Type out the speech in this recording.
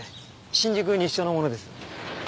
新宿西署の者です。